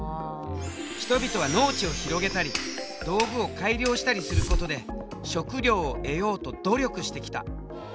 人々は農地を広げたり道具を改良したりすることで食料を得ようと努力してきた。